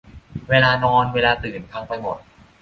เวลานอน เวลาตื่น พังไปหมด